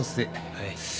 はい。